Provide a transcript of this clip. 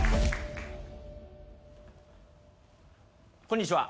こんにちは。